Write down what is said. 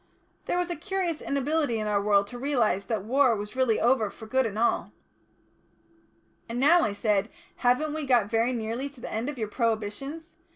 There was a curious inability in our world to realise that war was really over for good and all." "And now," I said, "haven't we got very nearly to the end of your prohibitions?